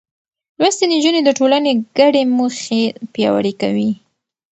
لوستې نجونې د ټولنې ګډې موخې پياوړې کوي.